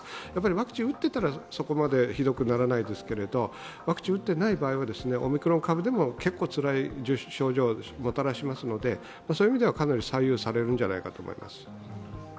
ワクチンを打っていたらそこまでひどくならないですが、ワクチンを打っていない場合はオミクロン株でも結構つらい症状をもたらしますのでそういう意味ではかなり左右されるんじゃないかと思います。